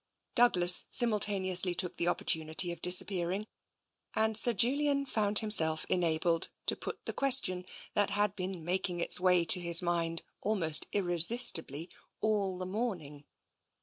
Douglas simultaneously took the opportunity of dis appearing, and Sir Julian found himself enabled to put the question that had been making its way to his mind almost irresistibly all the morning.